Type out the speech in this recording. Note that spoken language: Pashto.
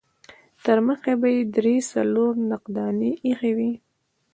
ترمخې به يې درې څلور تفدانۍ اېښې وې.